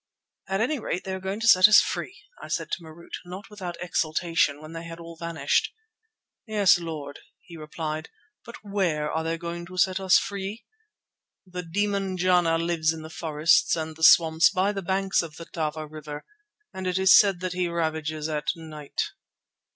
"At any rate they are going to set us free," I said to Marût, not without exultation, when they had all vanished. "Yes, Lord," he replied, "but where are they going to set us free? The demon Jana lives in the forests and the swamps by the banks of the Tava River, and it is said that he ravages at night."